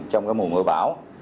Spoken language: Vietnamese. trong mùa mưa bão